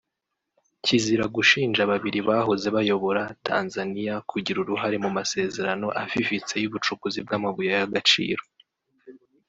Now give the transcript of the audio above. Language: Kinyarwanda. kizira gushinja babiri bahoze bayobora Tanzania kugira uruhare mu masezerano afifitse y’ubucukuzi bw’amabuye y’agaciro